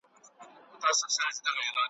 غم او ښادي یوه ده کور او ګور مو دواړه یو دي `